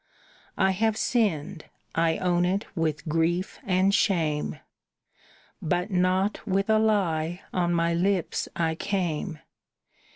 "I have sinned, I own it with grief and shame, But not with a lie on my lips I came.